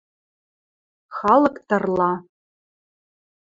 Халык тырла.